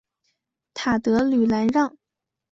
塔德吕兰让。